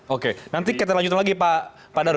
oke nanti kita lanjutkan lagi pak daru